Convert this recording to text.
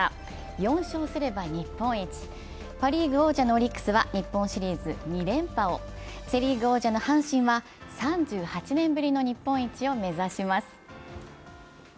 ４勝すれば日本一、パ・リーグ王者のオリックスは日本シリーズ２連覇を、セ・リーグ王者の阪神は３８年ぶりの日本一を目指します。